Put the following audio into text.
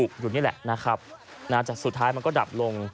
อยู่นี่แหละนะครับนะจากสุดท้ายมันก็ดับลง